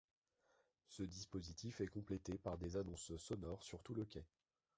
Ce dispositif est complété par des annonces sonores sur tout le quai.